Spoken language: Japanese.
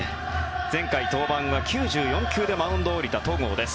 前回登板９４球でマウンドを降りた戸郷です。